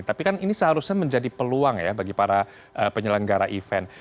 tapi kan ini seharusnya menjadi peluang ya bagi para penyelenggara event